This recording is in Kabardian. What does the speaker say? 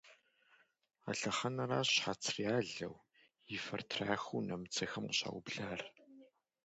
А лъэхъэнэращ щхьэцыр ялэу, и фэр трахуу нэмыцэхэм къыщаублар.